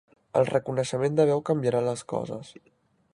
El reconeixement de veu canviarà les coses.